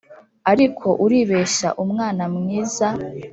ariko uribeshya umwana mwiza